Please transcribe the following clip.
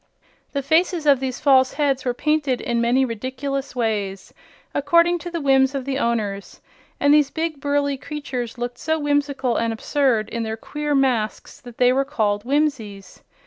The faces of these false heads were painted in many ridiculous ways, according to the whims of the owners, and these big, burly creatures looked so whimsical and absurd in their queer masks that they were called "Whimsies."